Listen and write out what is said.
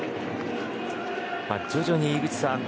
徐々に井口さん